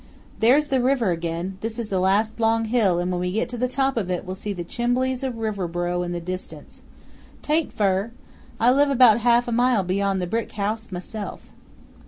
There's the river again; this is the last long hill, and when we get to the top of it we'll see the chimbleys of Riverboro in the distance. 'T ain't fur. I live 'bout half a mile beyond the brick house myself."